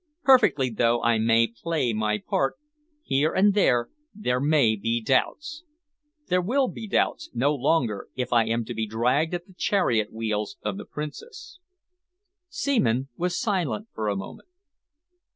Perfectly though I may play my part, here and there there may be doubts. There will be doubts no longer if I am to be dragged at the chariot wheels of the Princess." Seaman was silent for a moment.